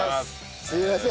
すいません。